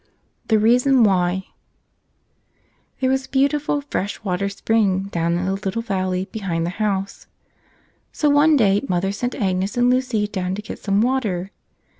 Cfce Ueason Mlbv CHERE was a beautiful fresh water spring down in the little valley behind the house. So one day mother sent Agnes and Lucy down to get some water.